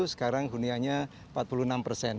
sekarang hunianya empat puluh enam persen